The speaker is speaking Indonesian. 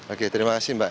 oke terima kasih mbak